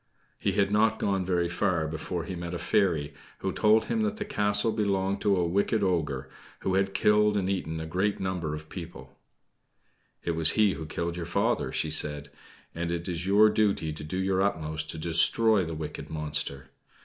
He had not gone very far before he met a fairy, who told him that the castle belonged to a wicked ogre, who had killed and eaten a great number of people. "It was he who killed your father," she said. "And it is your duty to do your utmost to destroy the wicked monster.